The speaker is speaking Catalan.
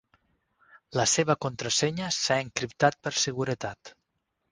La seva contrasenya s'ha encriptat per seguretat.